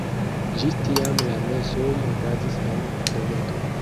Ĝis tiam la mesoj okazis en dometo.